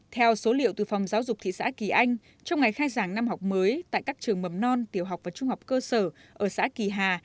theo số liệu từ phòng giáo dục thị xã kỳ anh trong ngày khai giảng năm học mới tại các trường mầm non tiểu học và trung học cơ sở ở xã kỳ hà